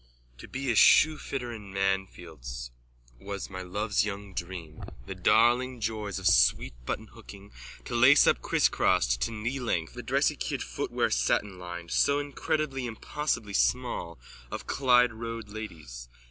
_ To be a shoefitter in Manfield's was my love's young dream, the darling joys of sweet buttonhooking, to lace up crisscrossed to kneelength the dressy kid footwear satinlined, so incredibly impossibly small, of Clyde Road ladies.